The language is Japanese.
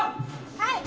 「はい！」。